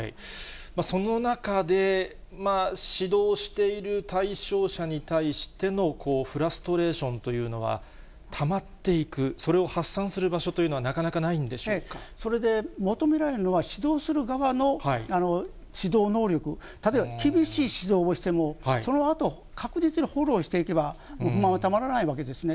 その中で、指導している対象者に対してのフラストレーションというのは、たまっていく、それを発散する場所というのは、それで、求められるのは指導する側の指導能力、例えば、厳しい指導をしても、そのあと、確実にフォローしていけば、不満はたまらないわけですね。